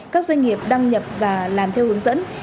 các doanh nghiệp đăng nhập và làm theo hướng dẫn